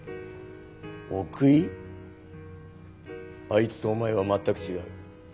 あいつとお前は全く違う。